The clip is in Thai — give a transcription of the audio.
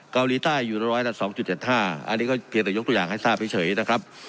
เกาหลีใต้อยู่ร้อยละ๒๗๕อันนี้ก็เพียงแต่ยกตัวอย่างให้ทราบเฉยนะครับ